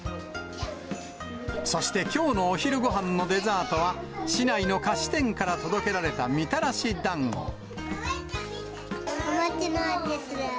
そして、きょうのお昼ごはんのデザートは、市内の菓子店から届けられたみたお餅の味する。